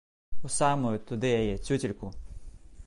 У самую, туды яе, цюцельку!